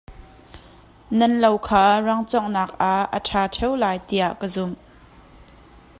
Nan lo kha rangcawnghnak ah a ṭha ṭheu lai tuah ka zumh.